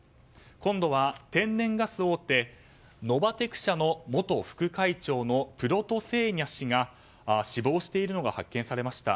今度は天然ガス大手ノバテク社の元副会長のプロトセーニャ氏が死亡しているのが発見されました。